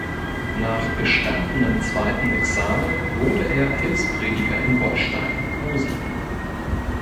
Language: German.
Nach bestandenem zweiten Examen wurde er Hilfsprediger in Wollstein (Posen).